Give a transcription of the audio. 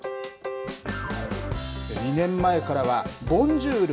２年前からは、ボンジュール！